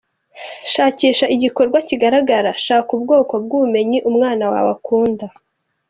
Shakisha igikorwa kigaragara: Shaka ubwoko bwubumenyi umwana wawe akunda.